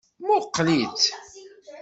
Muqqel-itt.